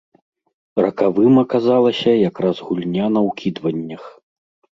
Ракавым аказалася якраз гульня на ўкідваннях.